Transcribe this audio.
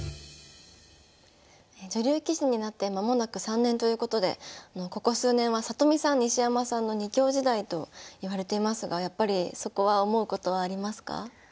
女流棋士になって間もなく３年ということでここ数年は里見さん西山さんの２強時代といわれていますがやっぱりそこは思うことはありますか？